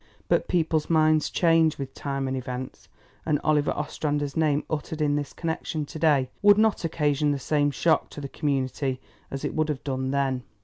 But people's minds change with time and events, and Oliver Ostrander's name uttered in this connection to day would not occasion the same shock to the community as it would have done then.